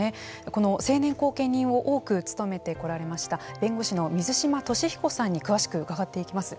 この成年後見人を多く務めてこられました弁護士の水島俊彦さんに詳しく伺っていきます。